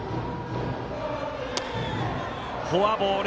フォアボール。